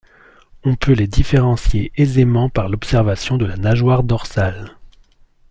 On peut les différencier aisément par l'observation de la nageoire dorsale.